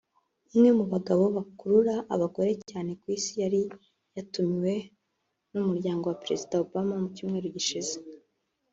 umwe mu bagabo bakurura abagore cyane ku isi yari yatumiwe n’umuryango wa Perezida Obama mu cyumweru gishize